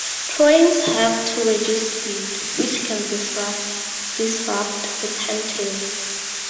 Trains have to reduce speed, which can disrupt the timetable.